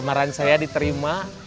jangan jadi kedudukan lu